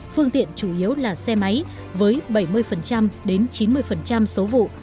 phương tiện chủ yếu là xe máy với bảy mươi đến chín mươi số vụ